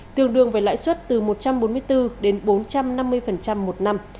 tương đương với lãi suất từ một trăm bốn mươi bốn đến bốn trăm năm mươi một năm